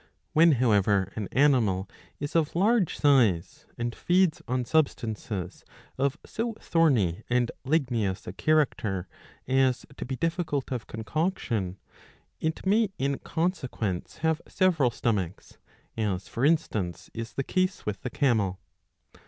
^. When, however, an animal is of large size, and feeds on substances of so thorny and ligneous a character as to be difficult of concoction, it may in consequence have several stomachs, as for instance is the case with the camel.